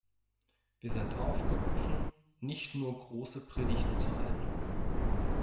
Wir sind aufgerufen, nicht nur große Predigten zu halten.